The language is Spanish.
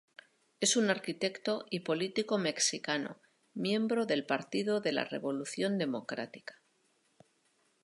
Es un arquitecto y político mexicano, miembro del Partido de la Revolución Democrática.